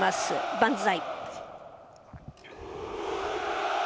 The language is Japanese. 万歳。